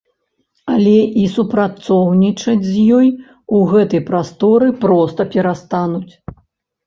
Але і супрацоўнічаць з ёй у гэтай прасторы проста перастануць.